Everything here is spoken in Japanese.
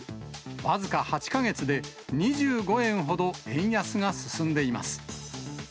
僅か８か月で、２５円ほど円安が進んでいます。